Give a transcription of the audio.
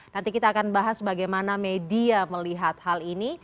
nanti kita akan bahas bagaimana media melihat hal ini